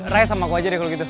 rice sama aku aja deh kalau gitu